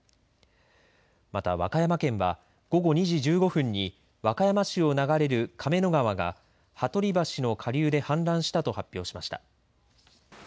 また和歌山県は午後２時１５分に和歌山市を流れる亀の川が羽鳥橋の下流で氾濫したと発表しました。